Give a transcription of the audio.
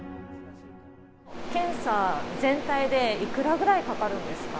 検査全体で、いくらぐらいかかるんですか？